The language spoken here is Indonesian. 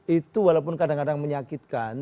itu walaupun kadang kadang menyakitkan